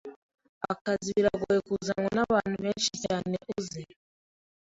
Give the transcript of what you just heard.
Akazi biragoye kuzanwa nabantu benshi cyane kukazi.